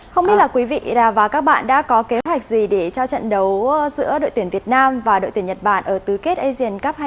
không biết là quý vị và các bạn đã có kế hoạch gì để cho trận đấu giữa đội tuyển việt nam và đội tuyển nhật bản ở tứ kết asian cup hai nghìn một mươi tám chị ạ